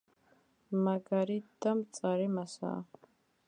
მაგარი და მწარე მასაა.